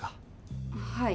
はい。